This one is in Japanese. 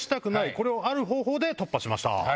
これをある方法で突破しました。